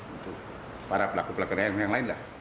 untuk para pelaku pelakunya yang lain lah